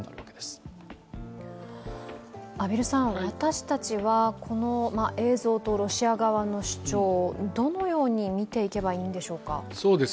私たちはこの映像とロシア側の主張、どのように見ていけばいいんでしょうか？